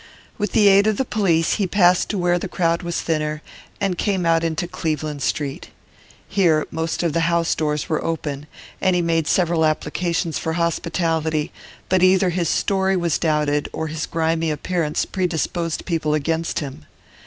With the aid of the police he passed to where the crowd was thinner, and came out into Cleveland Street. Here most of the house doors were open, and he made several applications for hospitality, but either his story was doubted or his grimy appearance predisposed people against him.